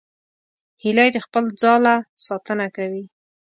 هیلۍ د خپل ځاله ساتنه کوي